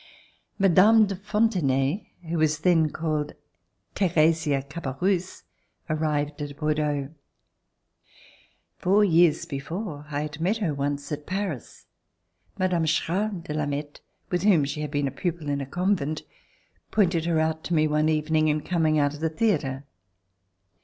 ■; Mme. de Fontenay, who was then called Theresia Cabarrus, arrived at Bordeaux. Four years before I had met her once at Paris. Mme. Charles de Lameth, with whom she had been a pupil in a convent, pointed her out to me one evening in coming out of the theatre.